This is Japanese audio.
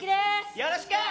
よろしく！